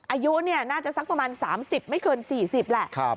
อายุน่าจะสักประมาณ๓๐ไม่เกิน๔๐แหละ